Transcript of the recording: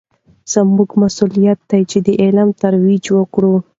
زموږ مسوولیت دی چې د علم ترویج وکړو.